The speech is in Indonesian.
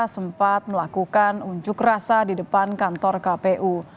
sempat melakukan unjuk rasa di depan kantor kpu